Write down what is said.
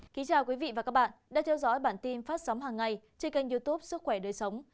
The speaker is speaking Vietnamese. kính chào quý vị và các bạn đã theo dõi bản tin phát sóng hàng ngày trên kênh youtube sức khỏe đời sống